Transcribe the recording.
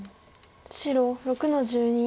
白６の十二。